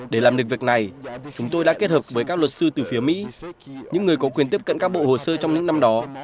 để làm được việc này chúng tôi đã kết hợp với các luật sư từ phía mỹ những người có quyền tiếp cận các bộ hồ sơ trong những năm đó